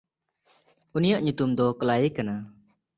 ᱩᱱᱤᱭᱟᱜ ᱧᱩᱛᱩᱢ ᱫᱚ ᱠᱞᱟᱭᱮ ᱠᱟᱱᱟ᱾